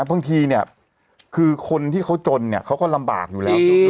บางทีเนี่ยคือคนที่เขาจนเนี่ยเขาก็ลำบากอยู่แล้ว